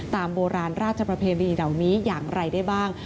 โบราณราชประเพณีเหล่านี้อย่างไรได้บ้าง